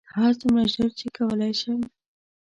هرڅومره ژر چې کولی شم.